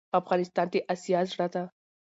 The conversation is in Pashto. افغانستان دي اسيا زړه ده